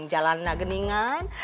jalan na geningan